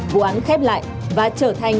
vụ án khép lại và trở thành